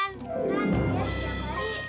kan dia siap lagi